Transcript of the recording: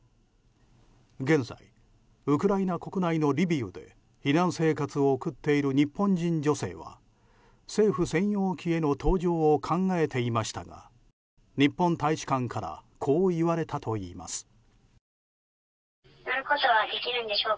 現在、ウクライナ国内のリビウで避難生活を送っている日本人女性は政府専用機への搭乗を考えていましたが日本大使館からこういわれたといいます。